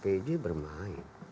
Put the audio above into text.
itu setiap pj bermain